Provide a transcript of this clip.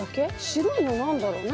白いの何だろう？